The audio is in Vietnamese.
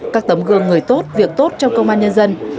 các tấm gương người tốt việc tốt trong công an nhân dân